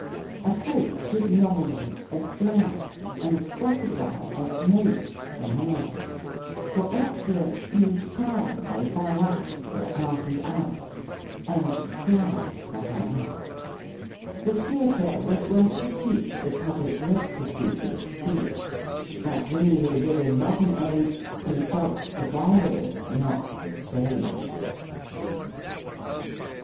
A coach should nominate a " drag," And specify as " moke," a nag : For excellent, use " prime" or "bang up," Or "out and out;" and " scrag," for hang up. The theatre was wont to teach The public rectitude of speech. But we who live in modern age Consult the gallery, not the stage.